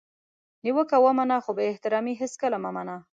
نیوکه ومنه خو بي احترامي هیڅکله مه منه!